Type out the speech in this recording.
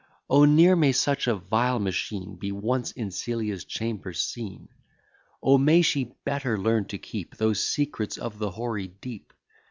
O! ne'er may such a vile machine Be once in Celia's chamber seen! O! may she better learn to keep Those "secrets of the hoary deep."